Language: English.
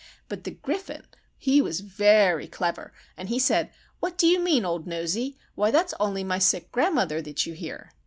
"But the Griffin he was v e r y clever, and he said, 'What do you mean, old nosey? Why, that's only my sick grandmother that you hear.